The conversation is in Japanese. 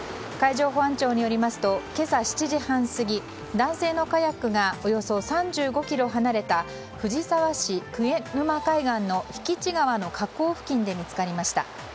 海上保安庁によりますと今朝７時半過ぎ男性のカヤックがおよそ３５ｋｍ離れた藤沢市鵠沼海岸の引地川の河口付近で見つかりました。